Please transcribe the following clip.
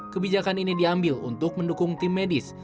kebijakan ini diambil untuk mendukung tim medis